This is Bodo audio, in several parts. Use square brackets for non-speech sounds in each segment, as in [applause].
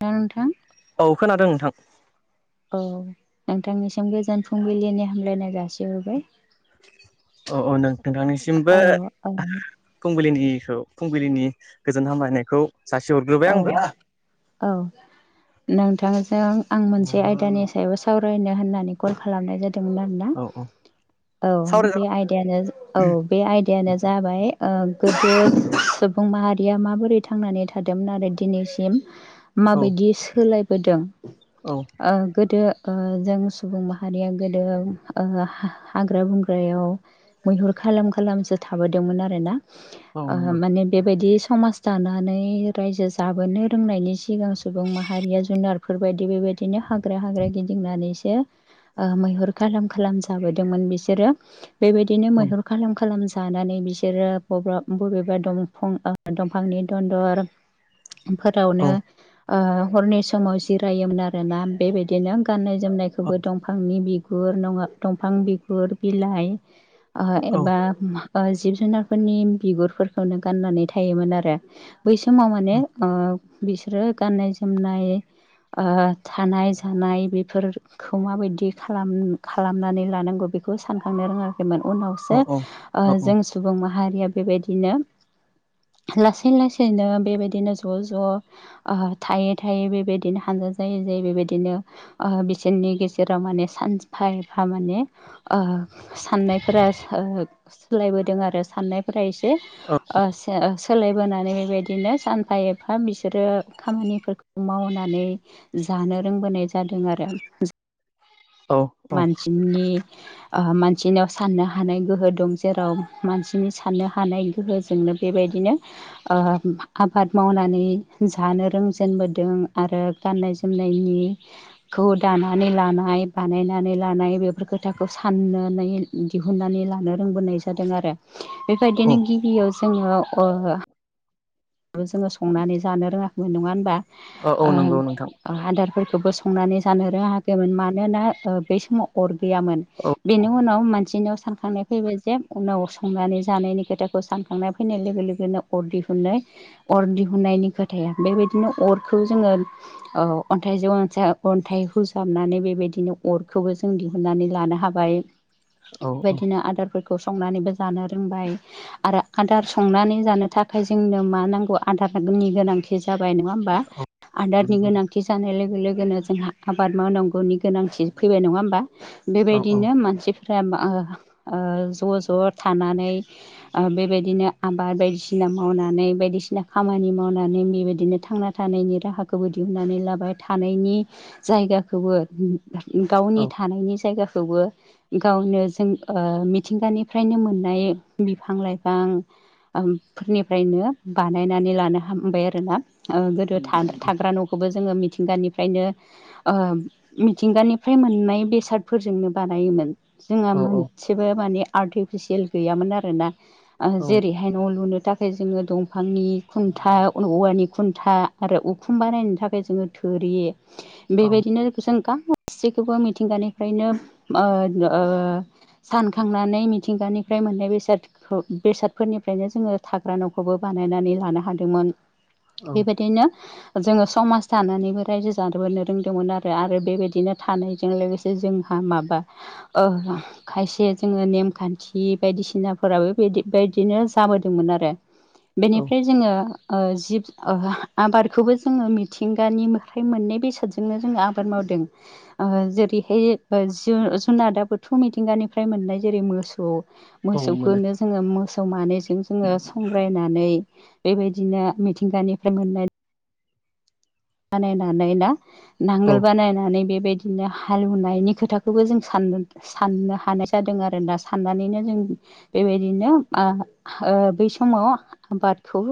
दा नोंथां औ खोनादों नोंथां। औ नोंथांनिसिम गोजोन फुंबिलिनि हामलायनाय जासिहरबाय। औ औ नों नोंथांनिसिमबो औ औ फुंबिलिनिखौ फुंबिलिनि गोजोन हामलायनायखौ सासेयाव ग्रोब औ औ। नोंथांजों आं मोनसे आयदानि सायाव सावरायनो होननानै कल खालामनाय जादोंमोन। नों औ औ औ सावराय बे जागोन आयदायानो औ बे आयदायानो जाबाय गोदो सुबुं माहारिया माबोरै थांनानै था थादोंमोन आरो दिनैसिम औ माबायदि सोलायबोदों औ। गोदो जों सुबुं माहारिया गोदो हाग्रा बंग्रायाव मैहुर खालाम खालामसो थाबोदोंमोन आरो ना। औ नंगौ माने बेबायदि समाज दानानै रायजो जाबोनो रोंनायनि सिगां सुबुं माहारिया जुनारफोरबायायदि बेबायदिनो हाग्रा हाग्रा गिदिंनानैसो मैहुर खालाम खालाम जाबोदोंमोन बिसोरो बेबायदिनो औ मैहुर खालाम खालाम जानानै बिसोरो बबब बबेबा दंफां दंफांनि दन्दर औ फोरावनो हरनि समाव जिरायोमोन आरोना बेबायदिनो गाननाय जोम जोमनायखौबो दंफांनि बिगुर नङा दंफां बिगुर बिलाइ औ एबा जिब जुनारफोरनि बिगुरफोरखौनो गाननानै थायोमोन आरो बै समाव माने बिसोरो गाननाय जोमनाय थानाय जानाय बेफोरखौ माबायदि खालाम खालामनानै लानांगौ बे खौ सानखांनो रोङाखैमोन उनाव औ औ औ सो सुबुं माहारिया बेबायदिनो लासै लासैनो बेबायदि बिदिनो ज' ज' थायै थायै बेबायदिनो हानजा जायै जायै बेबायदिनो बिसोरनि गेजेराव माने सानजफा एफा माने साननायफोरा सोलायबोदों आरो साननायफोरा एसे सोलायबोनानै बेबायदिनो सान एफा एफा बिसोरो खामानिफोरखौ मावनानै जानो रोंबोनाय जादों आरो औ मानसिनि ओ मानसिनियाव साननो हानाय गोहो दं जेराव मानसिनि साननो हानाय गोहोजोंनो बेबायदिनो ओ आबाद मावनानै जानो रोंजेनबोदों आरो गाननाय जोमनायनिखौ दानानै लानाय बानायनानै लानाय बेफोर खोथाखौ साननानै दिहुननानै लानो रोंबोनाय जादों आरो। औ बेबायदिनो गिबियाव जोङो अर जोङो संनानै जानो रोङाखैमोन नङा होनबा औ औ ओ नंगौ नोंथां ओ आदारफोरखौबो संनानै जानो रोङाखैमोन मानोना ओ बै समाव अर गैयामोन औ औ बेनि उनाव मान सिनाव सानखांनाय फैबाय जे उनाव संनानै जानायनि खोथाखौ सानखांनाय फैनाय लोगो लोगोनो अर दिहुनाय अर दिहुननायनि खोथाया बेबायदिनो अरखौ जोङो औ अन्थाइजों असाय अन्थाइ हुजाबनानै बेबायदिनो अरखौबो जों दि हुननानै लानो हाबाय औ बेबायदिनो आदारफोर संनानैबो जानो रोंबाय आरो आदार संनानै जानो थाखाय जोंनो मा नांगौ आदारनि गोनांथि जाबाय औ आदारनि नंगौ गोनांथि जानाय लोगो लोगोनो जोंहा आबाद मावनांगौनि गोनांथि फैबाय नङा होमबा? औ औ बेबायदिनो मानसिफोरा ओ ओ ज' ज' थानानै ओ बेबायदिनो आबाद बायदिसिना मावनानै बायदिसि सिना खामानि मावनानै बेबायदिनो थांना थानायनि राहाखौबो दिहुननानै लाबाय थानायनि जायगाखौबो औ गावनि थानायनि जायगाखौबो गावनो जों ओ मिथिंगानिफ्रायनो मोननाय बिफां लाइफां फोरनिफ्रायनो बानायनानै लानो हामबाय आरो ना ओ गोदो था-थाग्रा न' खौबो जोङो मिथिंगानिफ्रायनो ओ मिथिंगानिफ्राय मोननाय बेसादफोरजोंनो बानायोमोन। जोंहा औ मोनसेबो माने आर्टिफिसियेल गैयामोन आरोना ओ औ जेरै बेहाइ न' लुनो थाखाय जोङो दं फांनि खुन्था औवानि खुन्था आरो उखुम बानायनो थाखाय जोङो थोरि बेबायदिनो जों गाव सैखौबो मिथिंगानिफ्रायनो ओ ओ सानखांनानै मिथिंगानिफ्राय मोननाय बेसादखौ बेसादफोरनिफ्रायनो जोङो थाग्रा न'खौबो बानायनानै लानो हादोंमोन बेबायदिनो जोङो समाज थानानैबो रायजो जानोबोनो रोंदोंमोन आरो आरो बेबायदिनो थानायजों लोगोसे जोंहा माबा ओ खायसे जोङो नेमखान्थि बायदिसिनाफोराबो बे बेदिनो जाबोदोंमोन आरो। औ बेनिफ्राय जोङो ओ जिब ओ आबादखौबो जोङो मिथिंगानिफ्राय मोननाय बेसादजोंनो जोङो आबाद मावदों। ओ जेरैहाय जु-जुनादा बोथौ मिथिंगानिफ्राय मोननाय जेरै मोसौ औ मोनो मोसौखोनो जोङो मोसौ मानैजों जोङो संग्रायना बेबायदिनो मिथिंगानिफ्राय मोननाय बानायनानै ना औ नांगोल बानायनानै बेबायदि नो हालेवनायनि खोथाखौबो जों सानदों। साननो हानाय जादों आरोना साननानैनो जों बेबायदिनो ओ ओ बै समाव आबादखौ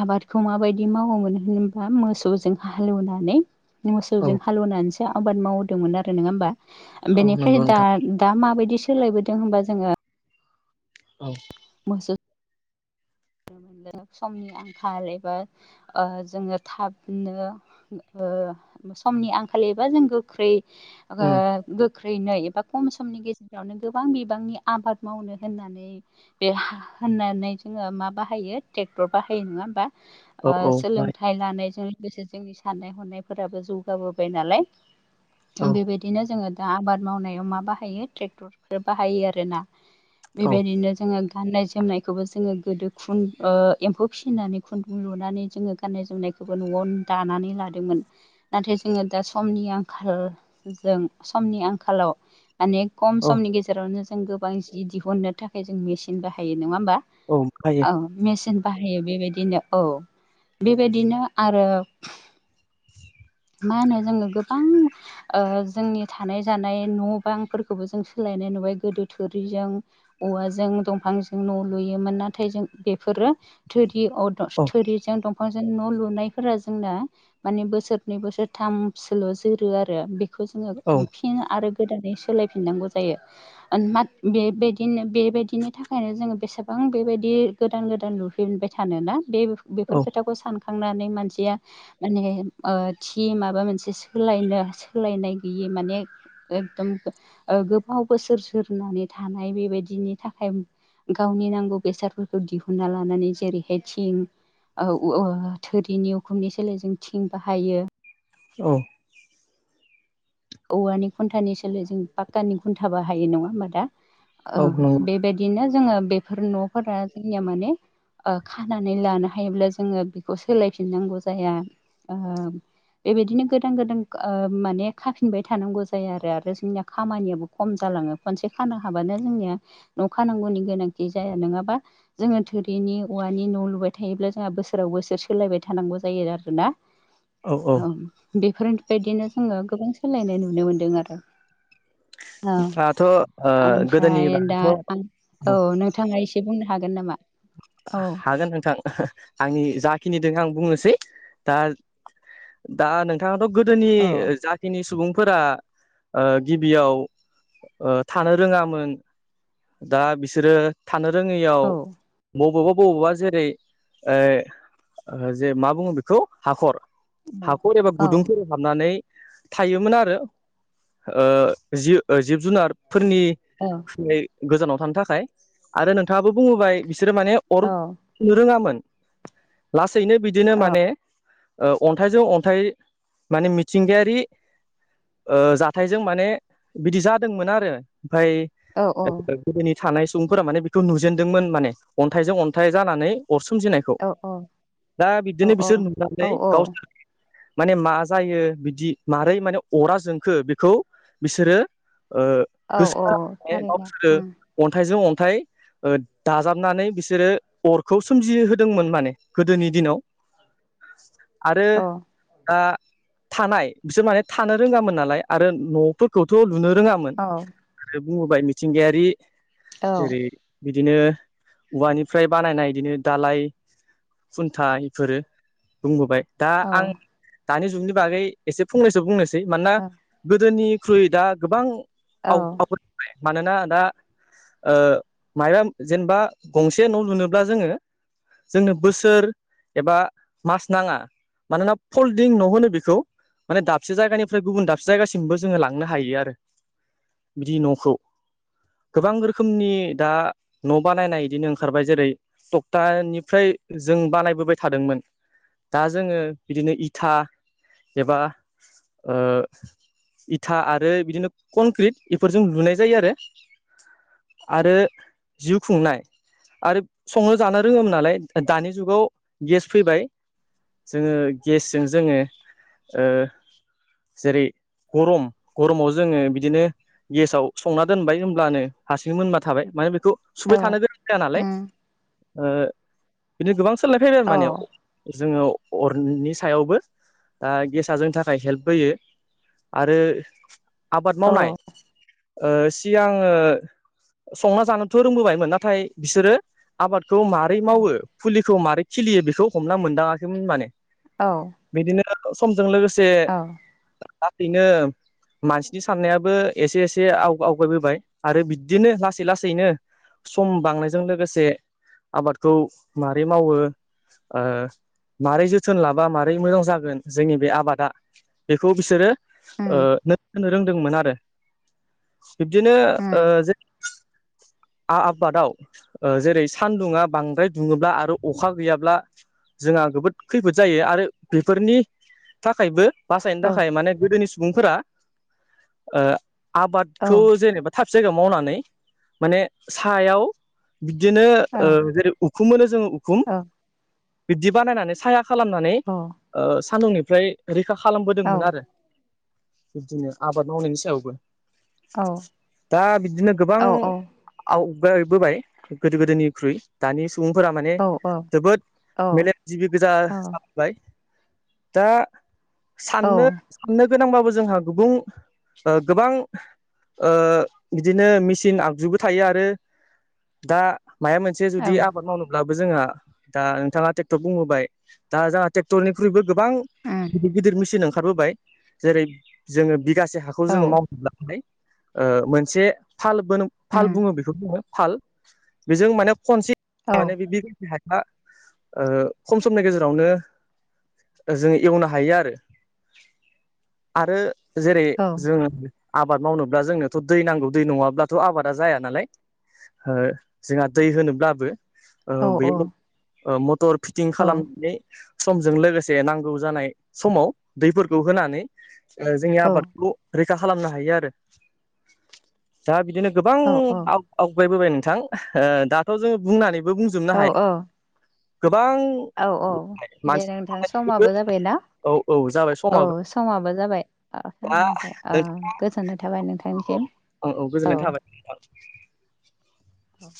आबादखौ माबायदि मावोमोन होनबा मोसौजों हालौवनानै औ मोसौजों हालेवनानैसो आबाद मावदोंमोन आरो नोंङा होमबा? औ बेनिफ्राय नंगौ दा नोंथां दा माबायदि सोलायबोदों होनबा जोङो औ मोसो दाना समनि आंखाल एबा ओ जोङो थाबनो ओ समनि आंखाल एबा जों गोख्रै ओ औ गोख्रैनो एबा खम समनि गेजेरावनो गोबां बिबांनि आबाद मावनो होननानै बे हा होननानै जोङो मा बाहायो ट्रेक्टर बाहायो नङा होमबा? औ ओ औ बाय सोलोंथाइ लानायजों लोगोसे जोंनि साननाय हनायफोराबो जौगाबोबाय नालाय औ बेबाय दिनो जोङो दा आबाद मावनायाव मा बाहायो ट्रेक्टरफोर बाहायो आरो ना। औ बेबायदिनो जोङो गाननाय जोमनायखौबो जोङो गोदो खुन ओ एम्फौ फिसिनानै खुन्दुं लुनानै जोङो गाननाय जोमनायखौबो न'आव दानानै लादोंमोन। नाथाय जोङो दा समनि आंखालजों समनि आंखालाव माने खम औ समनि गेजेरावनो जों गोबां जि दिहुननो थाखाय जों मेचिन बाहायो नङा होमबा? औ ओमफाय औ मेचिन बाहायो बेबायदिनो औ बेबायदिनो आरो मा होनो जोङो गोबां ओ जोंनि थानाय जानाय न' बांफोरखौबो जों सोलायनाय नुबाय गोदो थुरिजों औवाजों दंफांजों न' लुयोमोन नाथाय जों बेफोरो थोरि औ थ थोरिजों दंफांजों न' लुनायफोरा जोंना माने बोसोर नै बोसोरथामसोल' जोरो आरो बेखौ जोङो औ खुंफिन आरो गोदानै सोलायफिननांगौ जायो। मा बेबायदिनो बेबायदिनि थाखायनो जोङो बेसेबां बेबायदि गोदान गोदान लुफिनबाय थानो ना बे बेफोर औ खोथाखौ सानखांनानै मानसिया माने ओ थि माबा मोनसे सोलायनो सोलायनाय गैयि माने एकदम गोबाव बोसोर जोरनानै थानाय बेबायदिनि थाखाय गावनि नांगौ बेसादफोरखौ दिहुनना लानानै जेरैहाय थिं औ ओ थोरिनि उखुमनि सोलाय जों थिं बाहायो। औ। औवानि खुन्थानि सोलाय जों पाक्कानि खुन्थाबा हायो नङा होमबा दा? ओ औ नंगौ बेबायदि बिदिनो जोङो बेफोर न'फोरा जोंनिया माने ओ खानानै लानो हायोब्ला जोङो बेखौ सोलायफिननांगौ जाया ओ बेबायदिनो गोदान गोदान ओ माने खाफिनबाय थानांगौ जाया आरो आरो जोंनिया खामानियाबो खम जालाङो खनसे खानो हाबानो जोंनिया न' खानांगौनि गोनांथि जाया नङाबा जोङो थोरिनि औवानि न' लुबाय थायोब्ला जोंहा बोसोराव बोसोर सोलायबाय थानांगौ जायो आरोना? [inaudible] औ बेफोरबायदिनो जोङो गोबां सोलायनाय नुनो मोनदों आरो। औ दाथ' ओ गोदोनि ओमफ्राय दा बागैथ' औ औ नोंथाङा एसे बुंनो हागोन नामा? औ हागोन नोंथां आंनि जाखिनि दोङो आं बुंनोसै दा दा नोंथाङाथ' गोदोनि औ जा खिनि सुबुंफोरा ओ गिबियाव ओ थानो रोङामोन दा बिसोरो थानो औ रोङैयाव बबावबा बबावबा जेरै ओ ओ जे मा बुङो बेखौ हाखर हाखर एबा औ गुदुंफोर हाबनानै थायोमोन आरो। ओ जिउ ओ जिब जुनारफोरनि औ। थाखाय गोजानाव थानो थाखाय आरो नोंथाङाबो बुङोबबाय बिसोरो माने अर औ रोङामोन लासैनो बिदिनो माने ओ अन्थाइजों अन्थाइ माने मिथिंगायारि ओ जाथायजों माने बिदि जादोंमोन आरो ओमफ्राय औ औ। गोदोनि थानाय सुबुंफोरा माने बेखौ नुजेनदोंमोन माने अन्थाइजों अन्थाइ जानानै अर सोमजिनाय औ दा बिदिनो बिसोर औ नुनानै गावसोर [unintelligible] माने मा जायो बिदि मारै माने अरा जोंखो बेखौ बिसोरो ओ औ अ थारैनो उम ओ अन्थाइजों अन्थाइ ओ दाजाबनानै बिसोरो अरखौ सोमजिहोदोंमोन माने गोदोनि दिनाव आरो औ गा थानाय बिसोर माने थानो रोङामोन नालाय आरो न'फोरखौथ' लुनो रोङामोन औ [unintelligible] आरो बुङोबाय मिथिंगायारि औ एरै बिदिनो औवानिफ्राय बानायनाय बिदिनो दालाय खुन्थाइ फोरो बुंबोबाय दा औ आं दानि जुगनि बागै एसे फंनैसो बुंनोसै मानोना औ गोदोनि ख्रुइ दा गोबां औ उम आवखावबाय [unintelligible] मानोना दा ओ माइबा जेनेबा गंसे न' लुनोब्ला जोङो जोंनो बोसोर एबा मास नाङा मानोना फल्डिं न'होनो बेखौ। माने दाबसे जायगानिफ्राय गुबुन दाबसे जायगासिमबो जोङो लांनो हायो आरो बिदि न'खौ। गोबां रोखोमनि दा न' बानायनाय बिदिनो ओंखारबाय जेरै टकथानिफ्राय जों बानायबोबाय थादोंमोन। दा जोङो बिदिनो इथा एबा ओ इथा आरो बिदिनो कनक्रिट बेफोरजों लुनाय जायो आरो। आरो जिउ खुंनाय आरो संनो जानो रोङोमोन नालाय दानि जुगाव गेस फैबाय जोङो गेसजों जोङो ओ जेरै गरम गरमाव जोङो बिदिनो गेसाव संना दोनबाय होनोमब्लानो हारसिं मोनना थाबाय माने बेखौ सुबाय थानो गोनां जाया नालाय। ओ बिदि गोबां सोलाय फैबाय आरो औ माने जोङो अरनि सायावबो ओ गेसा जोंनि थाखाय हेल्प होयो। आरो आबाद औ मावनाय ओ सिगां संना जानोथ' रोंबोबायमोन नाथाय बिसोरो आबादखौ मारै मावो फुलिखौ मारै खिलियो बेखौ हमना मोनदाङाखैमोन माने। औ। बिदिनो समजों लोगोसे औ [unintelligible] मानसिनि साननायाबो एसे एसे एसे आवग-आवगायबोबाय आरो बिदिनो लासै लासैनो सम बांनायजों लोगोसे आबादखौ मारै मावो ओ मारै जोथोन लाबा मारै मोजां जागोन जोंनि बे आबादा बेखौ बिसोरो उम ओ होनो रोंदोंमोन आरो। बिब्दिनो ओ उम जे आ-आबादाव ओ जेरै सानदुङा बांद्राय दुङोब्ला आरो अखा गैयाब्ला जोंहा जबोद खैफोद जायो आरो बेफोरनि थाखायबो बासायनो औ थाखाय माने गोदोनि सुबुंफोरा ओ औ आबादखौ जेनेबा थाब जायगायाव मावनानै माने सायाव बिदिनो ओ जेरै उखुम मोनो जों उखुम ओ बिबदि बानायनानै साया खालामनानै ओ सान्दुंनिफ्राय रैखा खालामबोदोंमोन आरो बिब्दिनो आबाद मावनायनि सायावबो दा बिदिनो गोबां औ आवगायबोबाय गोदो गोदोनिख्रुइ दानि सुबुंफोरा माने जोबोद मेलेमजिबि गोजा दा औ साननो साननो गोनांबाबो जोंहा गुबुं गोबां बिदिनो मिसिन आगजुबो थायो आरो दा माया मोनसे जुदि आबाद मावनो अब्लाबो जोंहा दा नोंथाङा टेट' बुंबोबाय दा जोंथ ट्रेक्टरनिख्रुइबो गोबां उम गिदिर गिदिर मेसिन ओंखारबोबाय जेरै जोङो बिगासे हाख खौ औ जोङो मावनोब्लाथाय ओ मोनसे थालबोन फाल उम बुङो बेखौ बुङो फाल बेजों माने खनसे औ माने [inaudible] दा ओ खम समनि गेजेरावनो जोङो एवनो हायो आरो आरो। जेरै औ जोङो आबाद मावनोब्ला जोंनोथ' दै नांगौ दै नङाब्लाथ' आबाद दा जाया नालाय जोंहा दै होनोब्लाबो औ बैयाव ओ मटर फिटिं औ खालामनानै समजों लोगोसे नांगौ जानाय समाव दैफोरखौ होनानै जोंनि औ आबादखौ रैखा खालामनो हायो आरो दा बिदिनो गोबां आवगायबोबाय नोंथां दाथ' जोङो बुंनानैबो बुंजोबनो औ हाया गोबां औ औ दे मानसिनि नोंथां थाखायबो समाबो जाबाय ना। औ औ जाबाय औ समाबो समाबो जाबाय दा नाथाय गोजोननाय थाबाय नोंथां नोंथांनिसिम औ औ गोजोननाय थाबाय औ